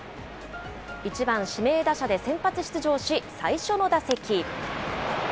１番指名打者で先発出場し、最初の打席。